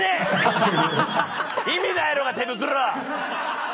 意味ないやろが手袋！